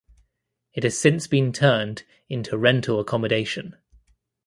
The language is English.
It has since been turned into rental accommodation.